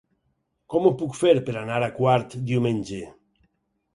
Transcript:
Com ho puc fer per anar a Quart diumenge?